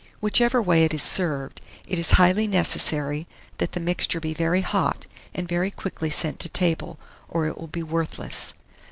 Whichever way it is served, it is highly necessary that the mixture be very hot, and very quickly sent to table, or it will be worthless.